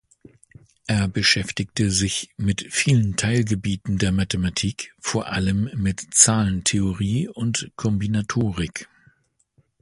Er beschäftigte sich mit vielen Teilgebieten der Mathematik, vor allem mit Zahlentheorie und Kombinatorik.